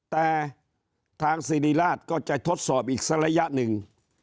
แต่ทางสิริราชก็จะทดสอบอีกสักระยะหนึ่ง